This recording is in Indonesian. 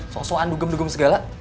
so soan dugeng dugeng segala